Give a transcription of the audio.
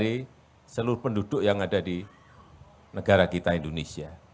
jadi pulau jawa menjadi magnet dari seluruh penduduk yang ada di negara kita indonesia